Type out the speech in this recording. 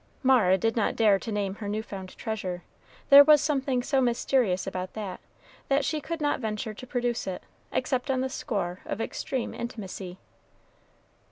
Mara did not dare to name her new found treasure there was something so mysterious about that, that she could not venture to produce it, except on the score of extreme intimacy.